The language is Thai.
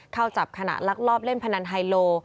เข้าจับขณะลักลอบเล่นพนันไฮโล